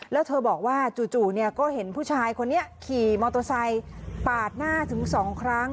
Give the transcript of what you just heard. แล้วเธอบอกว่าจู่ก็เห็นผู้ชายคนนี้ขี่มอเตอร์ไซค์ปาดหน้าถึง๒ครั้ง